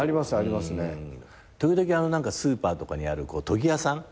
時々スーパーとかにある研ぎ屋さん